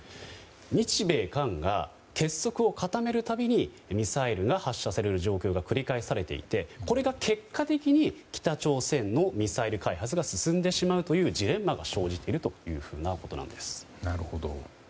日米韓が結束を固める度にミサイルが発射される状況が繰り返されていてこれで結果的に北朝鮮のミサイル開発が進んでしまうというジレンマが生じているということなんです。